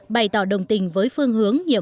bày tỏ đồng tình với phương hướng